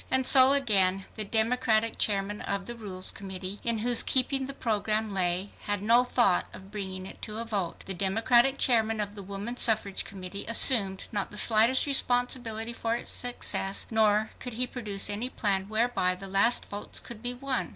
And so again the Democratic Chairman of the Rules Committee, in whose keeping the program lay, had no thought of bringing it to a vote. The Democratic Chairman of the Woman Suffrage Committee assumed not the slightest responsibility for its success, nor could he produce any plan whereby the last votes could be won.